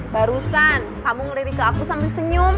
barusan kamu ngelirik ke aku sambil senyum